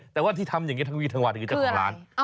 แต่ว่าที่ทำแต่งวีทางวาดคือเจ้าของร้าน